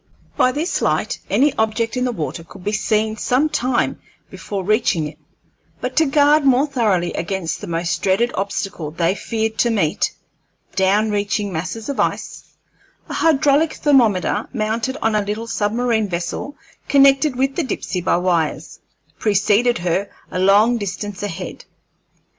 By this light any object in the water could be seen some time before reaching it; but to guard more thoroughly against the most dreaded obstacle they feared to meet down reaching masses of ice a hydraulic thermometer, mounted on a little submarine vessel connected with the Dipsey by wires, preceded her a long distance ahead.